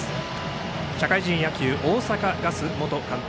社会人野球大阪ガス元監督